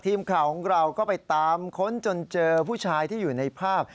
ทีมข่าวของเราก็ไปตามค้นจนเจอผู้ชายที่อยู่ในภาพ